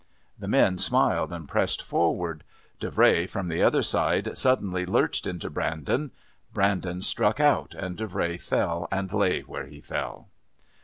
The men smiled and pressed forward. Davray from the other side suddenly lurched into Brandon. Brandon struck out, and Davray fell and lay where he fell.